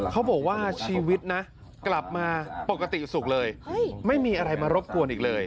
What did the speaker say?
เขาบอกว่าชีวิตนะกลับมาปกติสุขเลยไม่มีอะไรมารบกวนอีกเลย